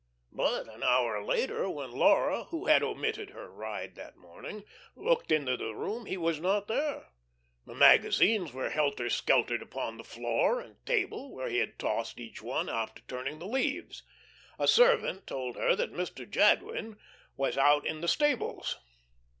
But an hour later, when Laura who had omitted her ride that morning looked into the room, he was not there. The magazines were helter skeltered upon the floor and table, where he had tossed each one after turning the leaves. A servant told her that Mr. Jadwin was out in the stables.